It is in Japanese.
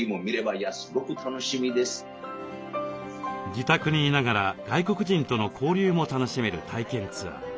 自宅に居ながら外国人との交流も楽しめる体験ツアー。